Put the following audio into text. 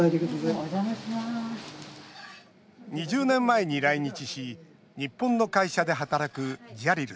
２０年前に来日し日本の会社で働くジャリルさん。